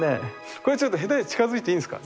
これは下手に近づいていいんですか？